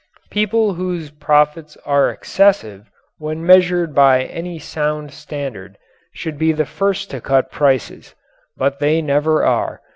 People whose profits are excessive when measured by any sound standard should be the first to cut prices. But they never are.